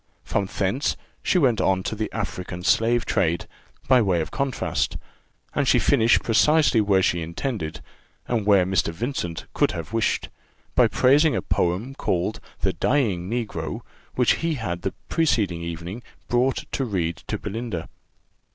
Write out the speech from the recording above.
From thence she went on to the African slave trade, by way of contrast, and she finished precisely where she intended, and where Mr. Vincent could have wished, by praising a poem called 'The dying Negro,' which he had the preceding evening brought to read to Belinda.